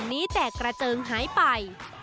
นี้แตกกระเจิงหายไป